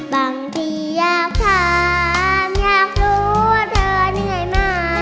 บางทีอยากถามอยากรู้ว่าเธอเหนื่อยหนา